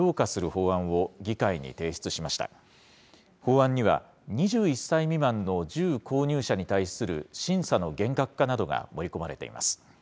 法案には、２１歳未満の銃購入者に対する審査の厳格化などが盛り込まれています。